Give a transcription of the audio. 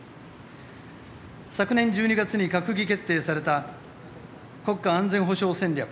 昨年１２月に閣議決定された国家安全保障戦略